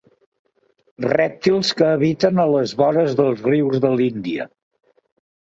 Rèptils que habiten a les vores dels rius de l'Índia.